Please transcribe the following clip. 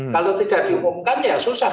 kalau tidak diumumkan ya susah